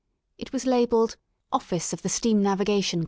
It was labelled; Office of the Steam Navigation Co."